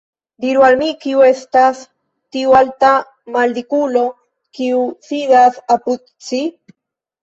Diru al mi, kiu estas tiu alta maldikulo, kiu sidas apud ci?